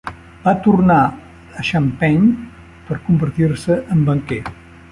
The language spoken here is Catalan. Va tornar a Champaign per convertir-se en banquer.